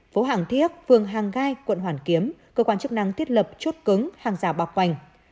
phố hàng thiết phường hàng gai quận hoàn kiếm cơ quan chức năng thiết lập chốt cứng hàng rào bao quanh